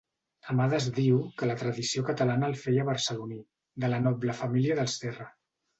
Amades diu que la tradició catalana el feia barceloní, de la noble família dels Serra.